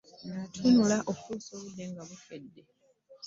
Yatunula okutuusa obudde nga bukedde